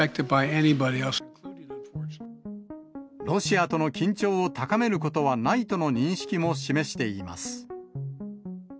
ロシアとの緊張を高めることはないとの認識も示しています。